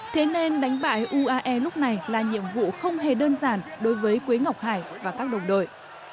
thế nên đánh bại uae lúc này là nhiệm vụ không hề đơn giản đối với quế ngọc hải và các đồng đội